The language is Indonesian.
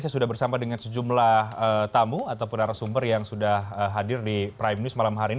saya sudah bersama dengan sejumlah tamu ataupun arah sumber yang sudah hadir di prime news malam hari ini